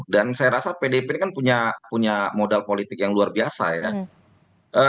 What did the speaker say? dan saya rasa pdip kan punya modal politik yang luar biasa ya